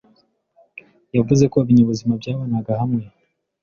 yavuze ko ibinyabuzima byabanaga hamwe